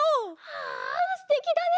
はあすてきだね！